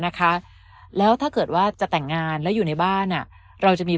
นะคะแล้วถ้าเกิดว่าจะแต่งงานแล้วอยู่ในบ้านอ่ะเราจะมี